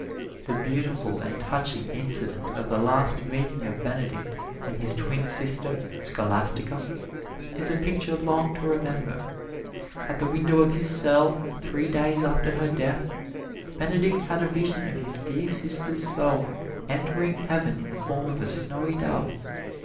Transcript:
The beautiful and touching incident of the last meeting of Benedict and his twin sister, Scholastica, is a picture long to remember. At the window of his cell, three days after her death, Benedict had a vision of his dear sister's soul entering heaven in the form of a snowy dove.